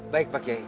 baik pak kek